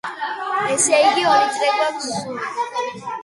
ესე იგი ორი წრე გვაქვს სულ.